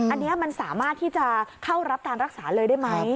อันนี้มันสามารถที่จะเข้ารับการรักษาเลยได้ไหม